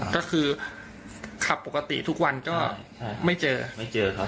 ก็คือขับปกติทุกวันก็ไม่เจอไม่เจอครับ